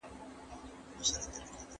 ایا دښمن ته ماته ورکول اسانه کار و؟